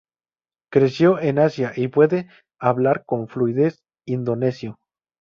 Creció en Asia y puede hablar con fluidez indonesio.